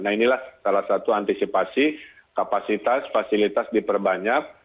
nah inilah salah satu antisipasi kapasitas fasilitas diperbanyak